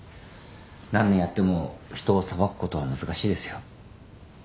何年やっても人を裁くことは難しいですよ。